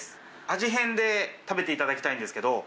味変で食べていただきたいんですけど。